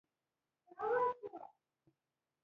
متل دی: هراتی اس په ځل کې هم ځان ښي.